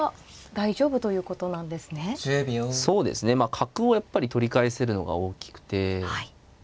角をやっぱり取り返せるのが大きくて。